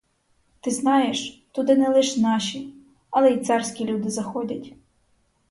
Ти знаєш, туди не лиш наші, але й царські люди заходять.